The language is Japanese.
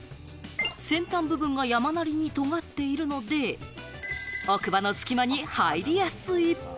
先端部分が山なりにとがっているので、奥歯の隙間に入りやすい。